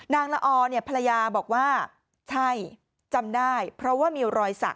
นางละอภรรยาบอกว่าใช่จำได้เพราะว่ามีรอยสัก